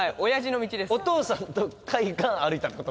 お父さんと海岸歩いたって事？